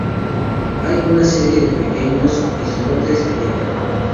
Hay una serie de pequeños islotes en ella.